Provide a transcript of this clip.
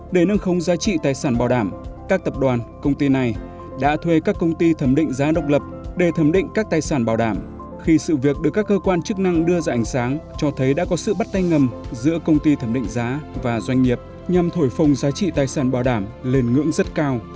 để nâng không giá trị tài sản bảo đảm các tập đoàn công ty này đã thuê các công ty thẩm định giá độc lập để thẩm định các tài sản bảo đảm khi sự việc được các cơ quan chức năng đưa ra ảnh sáng cho thấy đã có sự bắt tay ngầm giữa công ty thẩm định giá và doanh nghiệp nhằm thổi phồng giá trị tài sản bảo đảm lên ngưỡng rất cao